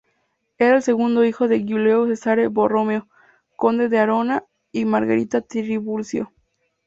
Era el segundo hijo de Giulio Cesare Borromeo, conde de Arona, y Margherita Trivulzio.